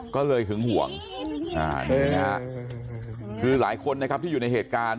ก็เลยหึงห่วงนี่นะฮะคือหลายคนนะครับที่อยู่ในเหตุการณ์